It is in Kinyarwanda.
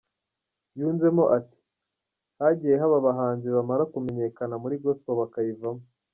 Yunzemo ati”Hagiyehaba abahanzi bamara kumenyekana muri Gospel bakayivamo.